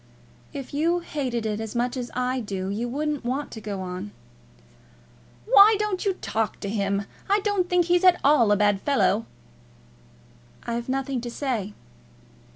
"If you hated it as much as I do, you wouldn't want to go on." "Why don't you talk to him? I don't think he's at all a bad fellow." "I've nothing to say."